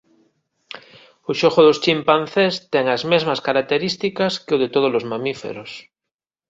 O xogo dos chimpancés ten as mesmas características que o de todos os mamíferos.